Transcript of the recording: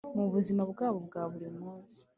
mu buzima bwabo bwaburi munsi